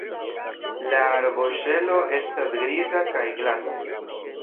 La arboŝelo estas griza kaj glata.